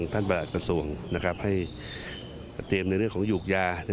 ท่านประหลาดกระทรวงนะครับให้เตรียมในเรื่องของยูกยาใน